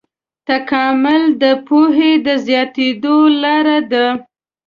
تکامل د پوهې د زیاتېدو لړۍ ده.